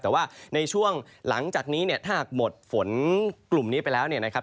แต่ว่าในช่วงหลังจากนี้เนี่ยถ้าหากหมดฝนกลุ่มนี้ไปแล้วเนี่ยนะครับ